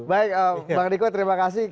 baik bang riko terima kasih